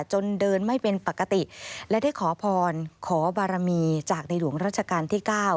จนเดินไม่เป็นปกติและได้ขอพรขอบารมีจากในหลวงราชการที่๙